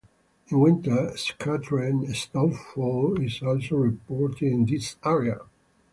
In winter, scattered snowfall is also reported in this area.